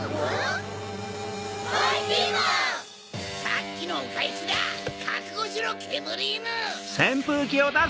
さっきのおかえしだ！